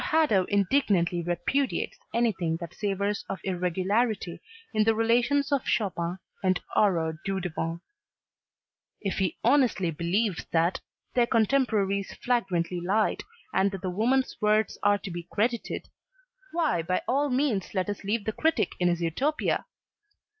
Hadow indignantly repudiates anything that savors of irregularity in the relations of Chopin and Aurore Dudevant. If he honestly believes that their contemporaries flagrantly lied and that the woman's words are to be credited, why by all means let us leave the critic in his Utopia.